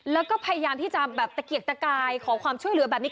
แล้วก็พยายามที่จะแบบตะเกียกตะกายขอความช่วยเหลือแบบนี้